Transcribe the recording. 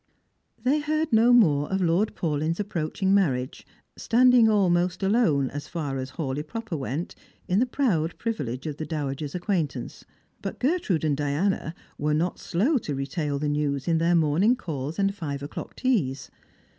Thej heard no more of Lord Paulyn's approaching marriage, standing almost alone, so far as Hawleigh proper went, in the proud i^rivilege of the dowager's acquaintance; but Gertrude and Diana were not slow to retail the news in their morning calls and five o'clock teas.